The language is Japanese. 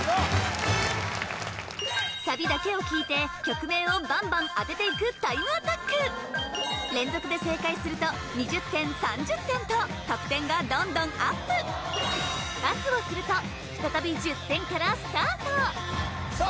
サビだけを聴いて曲名をバンバン当てていくタイムアタック連続で正解すると２０点３０点と得点がどんどんアップパスをすると再び１０点からスタートさあ